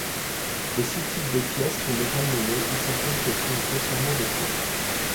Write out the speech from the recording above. Les six types de pièces sont déjà nommés et certaines se trouvent grossièrement décrites.